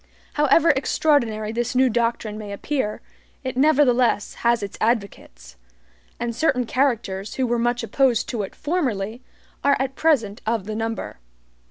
However extraordinary this new doctrine may appear, it nevertheless has its advocates; and certain characters who were much opposed to it formerly, are at present of the number.